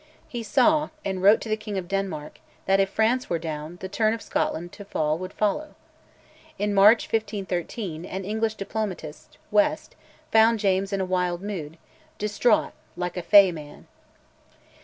He saw, and wrote to the King of Denmark, that, if France were down, the turn of Scotland to fall would follow. In March 1513, an English diplomatist, West, found James in a wild mood, distraught "like a fey man."